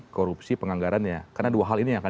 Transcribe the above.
korupsi penganggarannya karena dua hal ini yang akan